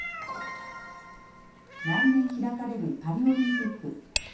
来年開かれるパリオリンピック。